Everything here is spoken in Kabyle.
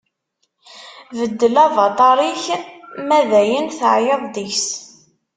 Beddel avaṭar-ik ma dayen teɛyiḍ deg-s.